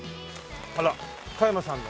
あら加山さんの。